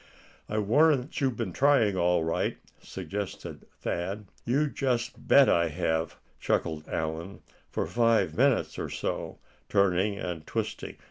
"I warrant you've been trying, all right," suggested Thad. "You just bet I have," chuckled Allan, "for five minutes or so, turning and twisting.